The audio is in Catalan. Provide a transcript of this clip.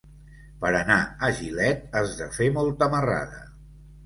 Per anar a Gilet has de fer molta marrada.